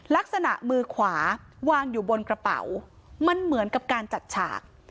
ลักษณะมือขวาวางอยู่บนกระเป๋ามันเหมือนกับการจัดฉาก